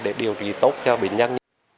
để điều trị tốt cho bệnh nhân